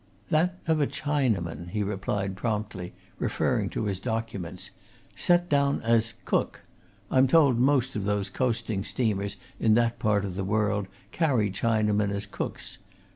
"That of a Chinaman," he replied promptly, referring to his documents. "Set down as cook I'm told most of those coasting steamers in that part of the world carry Chinamen as cooks.